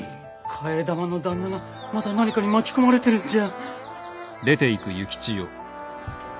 替え玉の旦那がまた何かに巻き込まれてるんじゃ。